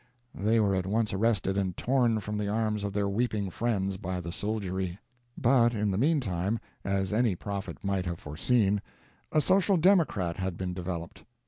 They were at once arrested and torn from the arms of their weeping friends by the soldiery. But in the mean time, as any prophet might have foreseen, a Social Democrat had been developed.